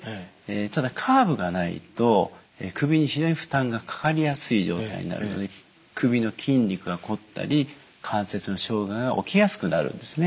ただカーブがないと首に非常に負担がかかりやすい状態になるので首の筋肉がこったり関節の障害が起きやすくなるんですね。